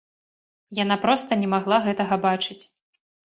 Яна проста не магла гэтага бачыць!